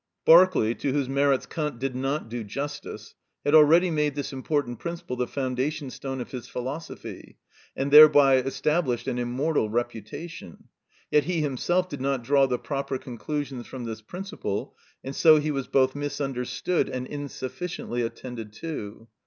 Berkeley, to whose merits Kant did not do justice, had already made this important principle the foundation stone of his philosophy, and thereby established an immortal reputation. Yet he himself did not draw the proper conclusions from this principle, and so he was both misunderstood and insufficiently attended to.